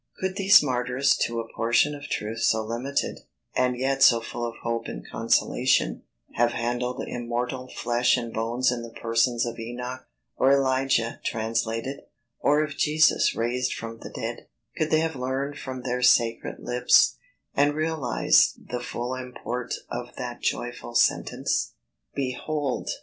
Could these martyrs to a portion of truth so limited, and yet so full of hope and consolation, have handled immortal flesh and bones in the persons of Enoch or Elijah translated, or of Jesus raised from the dead; could they have learned from their sacred lips, and realized the full import of that joyful sentence "_Behold!